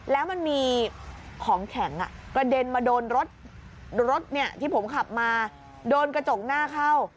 แล้วมันมีของแข็งกระเด็นมาโดนรถที่ผมขับมาโดนกระจกหน้าเข้า